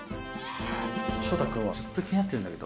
翔太くんはずっと気になってるんだけど。